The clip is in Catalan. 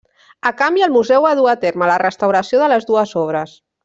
A canvi el museu va dur a terme la restauració de les dues obres.